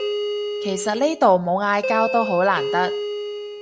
其實呢度冇嗌交都好難得